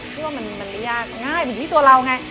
คิดว่ามันไม่ยากง่ายมันอยู่ที่ตัวเราไง